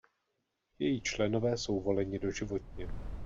Její členové jsou voleni doživotně.